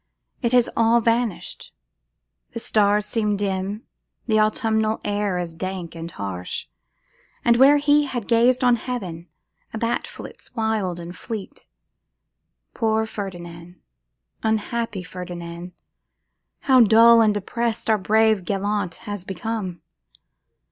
It has all vanished; the stars seem dim, the autumnal air is dank and harsh; and where he had gazed on heaven, a bat flits wild and fleet. Poor Ferdinand, unhappy Ferdinand, how dull and depressed our brave gallant has become!